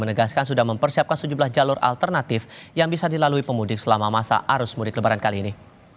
menegaskan sudah mempersiapkan sejumlah jalur alternatif yang bisa dilalui pemudik selama masa arus mudik lebaran kali ini